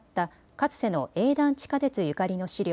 かつての営団地下鉄ゆかりの資料